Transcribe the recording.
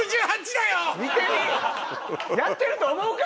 見てみやってると思うか？